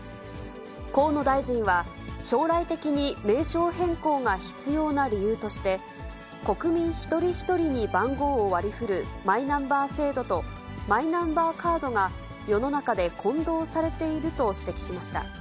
河野大臣は、将来的に名称変更が必要な理由として、国民一人一人に番号を割り振るマイナンバー制度と、マイナンバーカードが、世の中で混同されていると指摘しました。